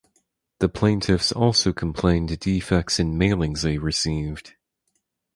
The plaintiffs also complained defects in mailings they received.